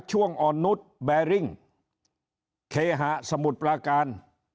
ช่วงออนุสแบริ่งเคหะสมุดประการ